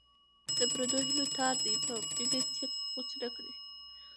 د پردو هیلو تار دې په ملي تېغ غوڅ نه کړي.